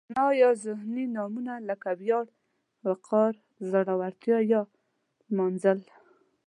معنا یا ذهني نومونه لکه ویاړ، وقار، زړورتیا یا نمانځل.